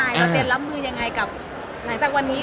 เราเตรียมรับมือยังไงกับหลังจากวันนี้